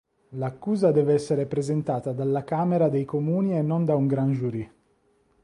L'accusa deve essere presentata dalla Camera dei comuni e non da un grand jury.